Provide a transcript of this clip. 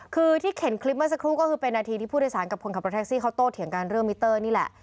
คือที่เห็นคลิปเมื่อสักครู่ก็คือเป็นนาทีที่ผู้โดยสารกับคนขับรถแท็กซี่เขาโตเถียงกันเรื่องมิเตอร์นี่แหละ